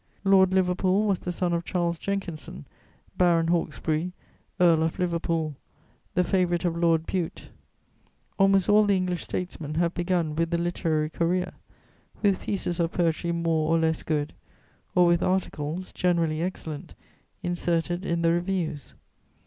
Lord Liverpool was the son of Charles Jenkinson, Baron Hawkesbury, Earl of Liverpool, the favourite of Lord Bute. Almost all the English statesmen have begun with the literary career, with pieces of poetry more or less good, or with articles, generally excellent, inserted in the reviews.